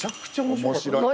面白い。